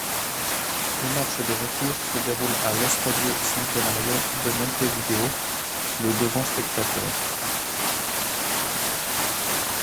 Le match retour se déroule à l'Estadio Centenario de Montevideo, le devant spectateurs.